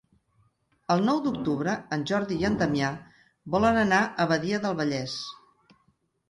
El nou d'octubre en Jordi i en Damià volen anar a Badia del Vallès.